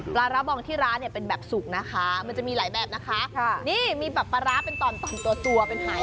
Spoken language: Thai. ปราบองที่ร้านเป็นแบบสุกนะคะมันจะมีหลายแบบนะคะนี่มีแบบปราเป็นต่อนตัว